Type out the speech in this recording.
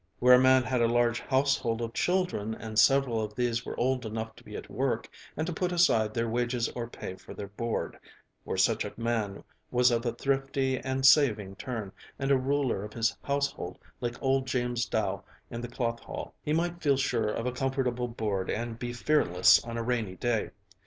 Where a man had a large household of children and several of these were old enough to be at work, and to put aside their wages or pay for their board; where such a man was of a thrifty and saving turn and a ruler of his household like old James Dow in the cloth hall, he might feel sure of a comfortable hoard and be fearless of a rainy day.